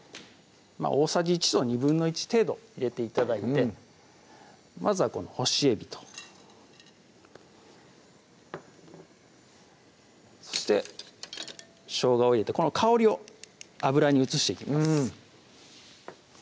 大さじ１と１／２程度入れて頂いてまずはこの干しえびとそしてしょうがを入れてこの香りを油に移していきます